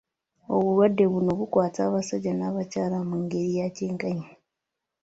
Obulwadde buno bukwata abasajja n'abakyala mu ngeri ya kyenkanyi